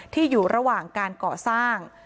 อยู่ระหว่างการก่อสร้าง